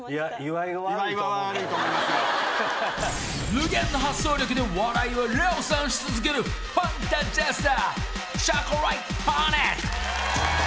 ［無限の発想力で笑いを量産し続けるファンタジスタ］